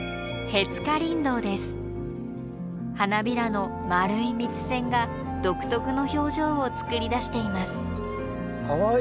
花びらの丸い蜜腺が独特の表情をつくり出しています。